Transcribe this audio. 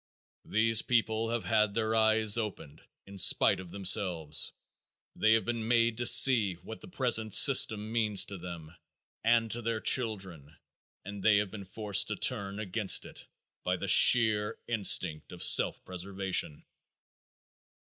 These people have had their eyes opened in spite of themselves. They have been made to see what the present system means to them and to their children, and they have been forced to turn against it by the sheer instinct of self preservation.